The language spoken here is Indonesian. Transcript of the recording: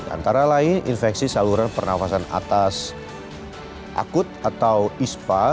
antara lain infeksi saluran pernafasan atas akut atau ispa